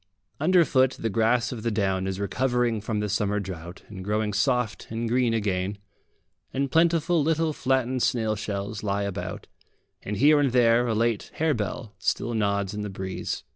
Underfoot the grass of the down is recovering from the summer drought and growing soft and green again, and plentiful little flattened snail shells lie about, and here and there a late harebell still nods in the breeze.